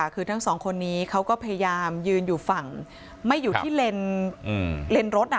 คือทั้งสองคนนี้เขาก็พยายามยืนอยู่ฝั่งไม่อยู่ที่เลนส์รถ